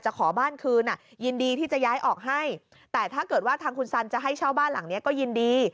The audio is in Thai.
ขอบ้านคืนอ่ะยินดีที่จะย้ายออกให้แต่ถ้าเกิดว่าทางคุณสันจะให้เช่าบ้านหลังนี้ก็ยินดี